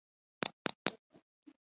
زما ستونی درد کوي